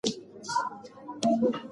هغه په جومات کې مسواک واهه.